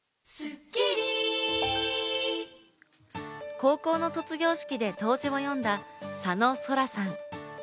高校の卒業式で答辞を読んだ、佐野咲良さん。